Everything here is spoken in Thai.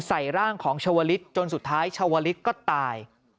ใส่ร่างของชาวลิศจนสุดท้ายชาวลิศก็ตาย